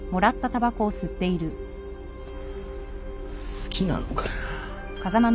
好きなのかよ。